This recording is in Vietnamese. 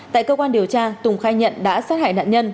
tại cơ quan điều tra tùng khai nhận đã sát hại nạn nhân